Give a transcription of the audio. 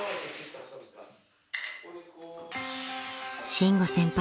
［伸吾先輩